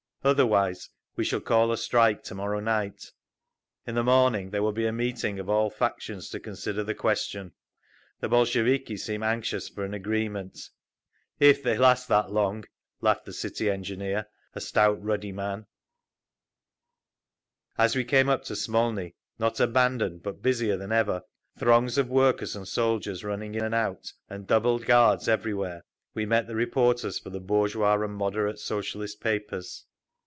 Otherwise we shall call a strike to morrow night…. In the morning there will be a meeting of all factions to consider the question. The Bolsheviki seem anxious for an agreement…." "If they last that long!" laughed the City Engineer, a stout, ruddy man…. As we came up to Smolny—not abandoned, but busier than ever, throngs of workers and soldiers running in and out, and doubled guards everywhere—we met the reporters for the bourgeois and "moderate" Socialist papers.